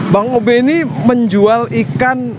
bang obeni menjual ikan